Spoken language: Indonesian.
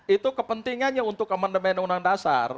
itu kepentingannya untuk amandemen undang dasar